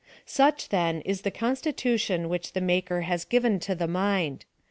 Such, then, is the constitution which the Maker has given to the mind.